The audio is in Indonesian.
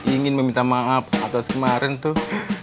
ingin meminta maaf atas kemarin tuh